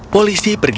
polisi pergi ke rumah